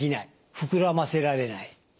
膨らませられない。